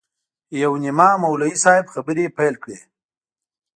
یو نیمه مولوي صاحب خبرې پیل کړې.